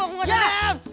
aku gak denger